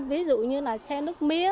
ví dụ như là xe nước mía